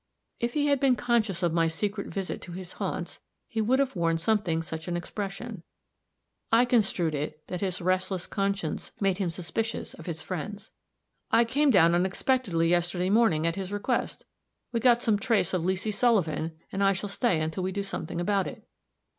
If he had been conscious of my secret visit to his haunts, he would have worn something such an expression; I construed it that his restless conscience made him suspicious of his friends. "I came down, unexpectedly, yesterday morning, at his request. We got some trace of Leesy Sullivan; and I shall stay until we do something about it."